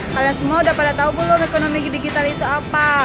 kalian semua udah pada tahu belum ekonomi digital itu apa